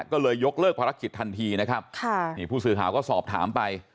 ก็เลยยกเลิกภารกิจทันทีนะครับค่ะนี่ผู้สื่อข่าวก็สอบถามไป